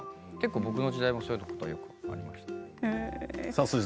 僕の時代はそういうことがありました。